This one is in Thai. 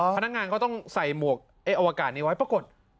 พนักงานเขาต้องใส่หมวกไอ้อวกาศนี้ไว้ปรากฏ